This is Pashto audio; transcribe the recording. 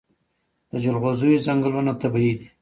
د جلغوزیو ځنګلونه طبیعي دي؟